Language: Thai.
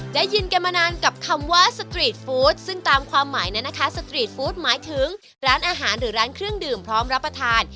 ได้ยินกันมานานกับคำว่าสตรีทฟู้ดซึ่งตามความหมายนั้นนะคะสตรีทฟู้ดหมายถึงร้านอาหารหรือร้านเครื่องดื่มพร้อมรับประทาน